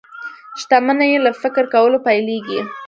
شتمني له فکر کولو پيلېږي.